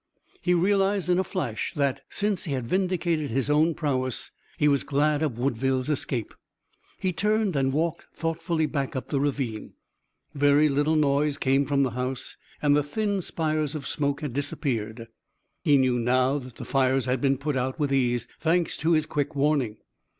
He realized in a flash that, since he had vindicated his own prowess, he was glad of Woodville's escape. He turned and walked thoughtfully back up the ravine. Very little noise came from the house and the thin spires of smoke had disappeared. He knew now that the fires had been put out with ease, thanks to his quick warning.